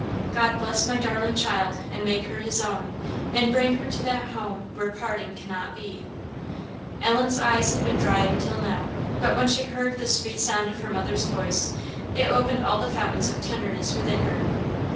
"God bless my darling child! and make her his own and bring her to that home where parting cannot be!" Ellen's eyes had been dry until now; but when she heard the sweet sound of her mother's voice, it opened all the fountains of tenderness within her.